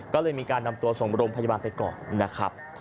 ก็เลยมีการนำตัวส่งโรงพยาบาลไปก่อนนะครับ